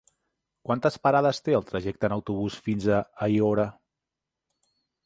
Quantes parades té el trajecte en autobús fins a Aiora?